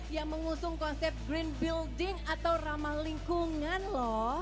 yang mengusung konsep green building atau ramah lingkungan loh